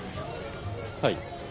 はい？